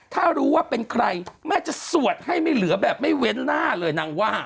ถ้ารู้ว่าเป็นใครแม่จะสวดให้ไม่เหลือแบบไม่เว้นหน้าเลยนางว่า